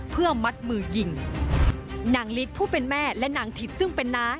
เพื่อมัดมือยิงนางฤทธิ์ผู้เป็นแม่และนางถิตซึ่งเป็นน้า